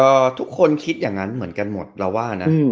ก็ทุกคนคิดอย่างนั้นเหมือนกันหมดเราว่านะ